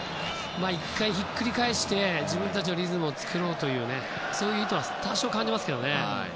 １回ひっくり返して自分たちのリズムを作ろうというそういう意図は多少感じますよね。